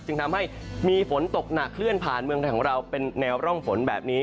จึงทำให้มีฝนตกหนักเคลื่อนผ่านเมืองไทยของเราเป็นแนวร่องฝนแบบนี้